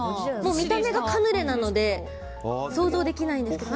見た目がカヌレなので想像できないんですけど。